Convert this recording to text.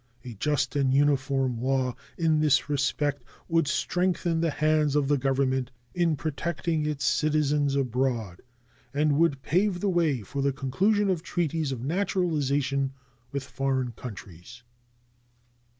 A just and uniform law in this respect would strengthen the hands of the Government in protecting its citizens abroad and would pave the way for the conclusion of treaties of naturalization with foreign countries.